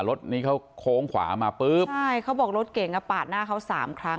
รถนี้เขาโค้งขวามาปุ๊บใช่เขาบอกรถเก่งอ่ะปาดหน้าเขาสามครั้ง